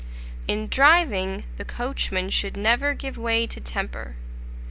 In driving, the coachman should never give way to temper.